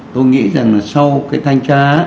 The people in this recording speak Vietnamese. tôi nghĩ rằng là sau cái thanh tra